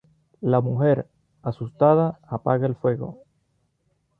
La mujer, asustada, apaga el fuego.